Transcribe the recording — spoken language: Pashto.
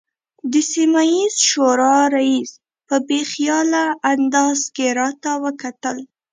د سیمه ییزې شورا رئیس په بې خیاله انداز کې راته وکتل.